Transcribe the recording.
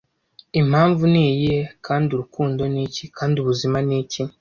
Impamvu ni iyihe? kandi urukundo ni iki? kandi ubuzima ni iki?